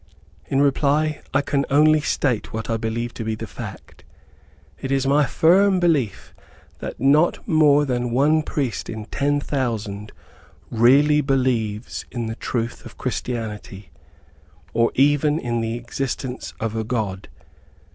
In reply I can only state what I believe to be the fact. It is my firm belief that not more than one priest in ten thousand really believes in the truth of Christianity, or even in the existence of a God.